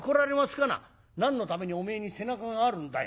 「何のためにおめえに背中があるんだよ。